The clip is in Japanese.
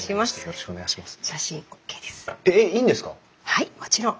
はいもちろん。